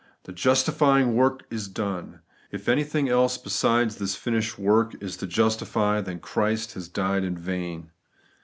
The justifying work is done! If anything else besides this finished work is to justify, then Christ has died in vain.